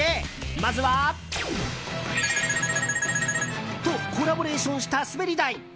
まずはとコラボレーションした滑り台。